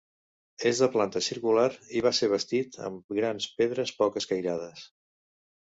És de planta circular i va ser bastit amb grans pedres poc escairades.